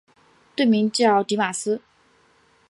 队名叫狄玛斯。